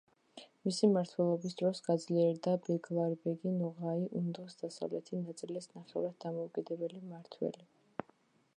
მისი მმართველობის დროს გაძლიერდა ბეგლარბეგი ნოღაი, ურდოს დასავლეთი ნაწილის ნახევრად დამოუკიდებელი მმართველი.